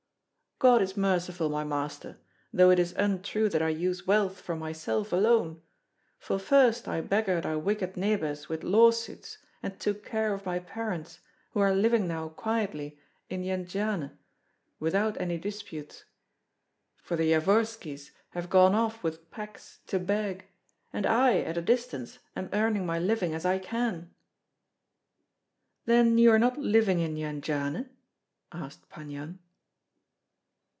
"God is merciful, my master, though it is untrue that I use wealth for myself alone; for first I beggared our wicked neighbors with lawsuits, and took care of my parents, who are living now quietly in Jendziane, without any disputes, for the Yavorskis have gone off with packs to beg, and I, at a distance, am earning my living as I can." "Then you are not living in Jendziane?" asked Pan Yan.